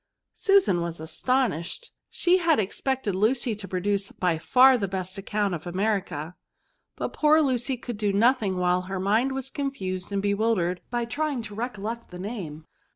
Susan was astonished ; she had expected V£RBS. 243 Lucy to produce by far the best account of America, but poor Lucy could do nothing while her mind was confused and bewildered by trying to recollect the name.